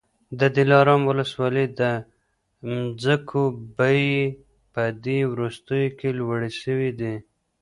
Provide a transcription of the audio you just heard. د دلارام ولسوالۍ د مځکو بیې په دې وروستیو کي لوړي سوې دي.